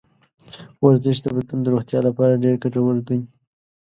ورزش د بدن د روغتیا لپاره ډېر ګټور دی.